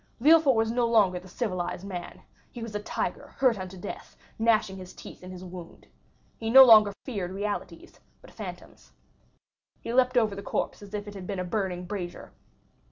Villefort was no longer the civilized man; he was a tiger hurt unto death, gnashing his teeth in his wound. He no longer feared realities, but phantoms. He leaped over the corpse as if it had been a burning brazier.